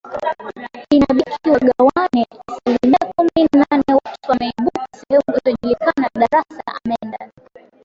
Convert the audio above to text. inabiki wagawane asilimia kumi na nane watu wameibuka sehemu isiyojulikana Darassa amenda